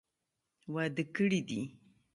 واده کړي دي.